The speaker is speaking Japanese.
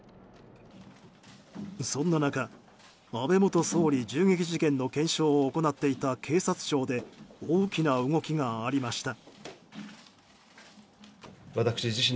そんな中、安倍元総理銃撃事件の検証を行っていた警察庁で大きな動きがありました。